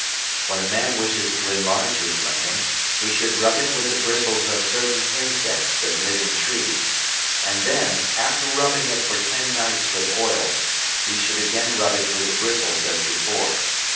When a man wishes to enlarge his lingam, he should rub it with the bristles of certain insects that live in trees, and then, after rubbing it for ten nights with oils, he should again rub it with the bristles as before.